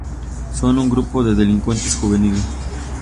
Son un grupo de delincuentes juveniles.